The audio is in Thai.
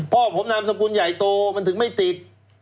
พ่อผมนามสกุลใหญ่โตมันถึงไม่ติด